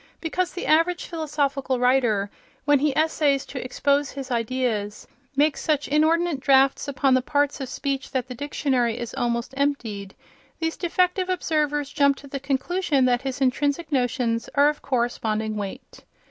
Because the average philosophical writer, when he essays to expose his ideas, makes such inordinate drafts upon the parts of speech that the dictionary is almost emptied these defective observers jump to the conclusion that his intrinsic notions are of corresponding weight.